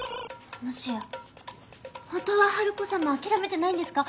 もしやホントはハルコさんも諦めてないんですか？